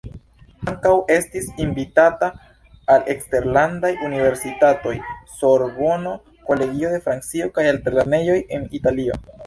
Ankaŭ estis invitata al eksterlandaj universitatoj: Sorbono, Kolegio de Francio kaj altlernejoj en Italio.